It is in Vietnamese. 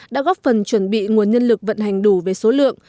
đã góp phần chuẩn bị nguồn nhân lực vận hành đủ về số lượng